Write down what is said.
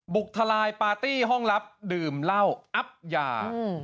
ทลายปาร์ตี้ห้องลับดื่มเหล้าอับยา